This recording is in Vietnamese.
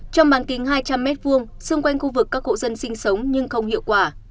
trong màn kính hai trăm linh m hai xung quanh khu vực các hộ dân sinh sống nhưng không hiệu quả